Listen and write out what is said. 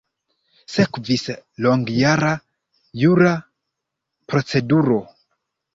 Sekvis longjara jura proceduro.